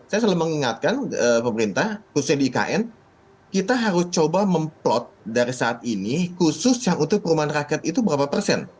saya selalu mengingatkan pemerintah khususnya di ikn kita harus coba memplot dari saat ini khusus yang untuk perumahan rakyat itu berapa persen